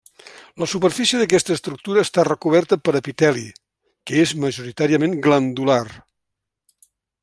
La superfície d'aquesta estructura està recoberta per epiteli que és majoritàriament glandular.